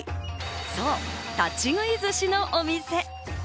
そう、立ち食い寿司のお店。